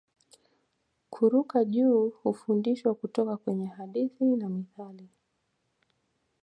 Kuruka juu hufundishwa kutoka kwenye hadithi na mithali